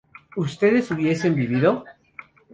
¿ustedes hubiesen vivido?